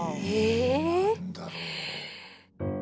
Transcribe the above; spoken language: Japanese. え何だろう。